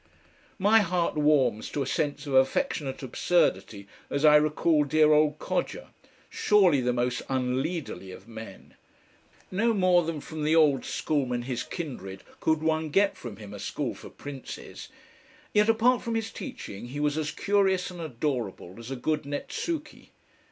My heart warms to a sense of affectionate absurdity as I recall dear old Codger, surely the most "unleaderly" of men. No more than from the old Schoolmen, his kindred, could one get from him a School for Princes. Yet apart from his teaching he was as curious and adorable as a good Netsuke.